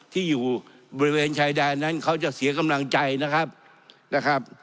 ที่อยู่บริเวณชายแดนนั้นเขาจะเสียกำลังใจนะครับนะครับ